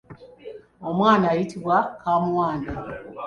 Omwana ayitibwa kaamuwanda.